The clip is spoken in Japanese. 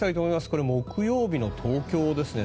これ、木曜日の東京ですね。